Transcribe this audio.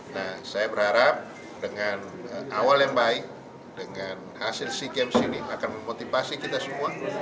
nah saya berharap dengan awal yang baik dengan hasil sea games ini akan memotivasi kita semua